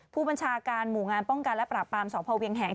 ผู้บัญชาการหมู่งานป้องกันและปราบปรามสพเวียงแหง